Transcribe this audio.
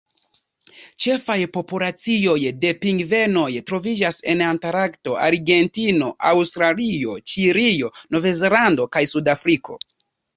Ĉefaj populacioj de pingvenoj troviĝas en Antarkto, Argentino, Aŭstralio, Ĉilio, Novzelando, kaj Sudafriko.